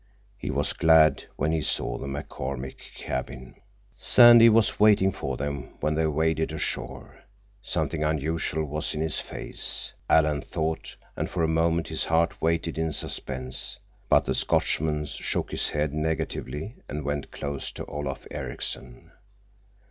He was glad when he saw the McCormick cabin. Sandy was waiting for them when they waded ashore. Something unusual was in his face, Alan thought, and for a moment his heart waited in suspense. But the Scotchman shook his head negatively and went close to Olaf Ericksen.